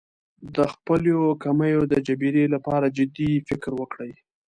د خپلو کمیو د جبېرې لپاره جدي فکر وکړي.